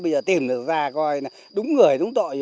bây giờ tìm được ra coi đúng người đúng tội rồi